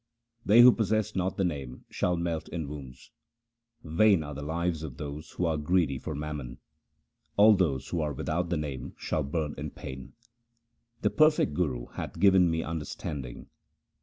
They who possess not the Name shall melt in wombs. Vain are the lives of those who are greedy for mammon. All those who are without the Name shall burn in pain. The perfect true Guru hath given me understanding.